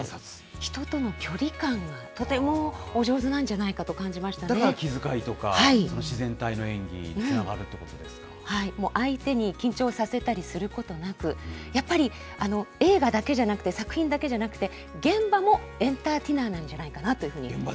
人との距離感がとてもお上手なんだから気遣いとか、自然体のもう相手に緊張させたりすることなく、やっぱり映画だけじゃなくて、作品だけじゃなくて、現場もエンターティナーなんじゃないかなというふうに。